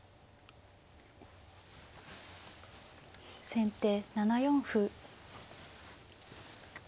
先手７四歩。